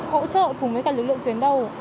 hỗ trợ cùng với các lực lượng tuyển đầu